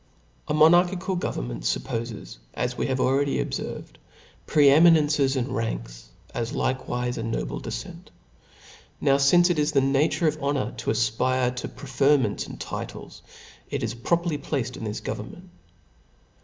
^\\\.^ A M<>narchical government fuppofctb, as we havir ehap. 7* "^^ already obfer ved, pfe ^mintnces and ranks, as likewifc a noble defccnt. Now fincc it is the Aature of honor to afpire to preftrmentA and titles^ it is properly placed in this government.